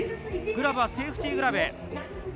グラブはセーフティーグラブ。